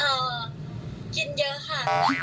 เพราะว่ากินเยอะค่ะ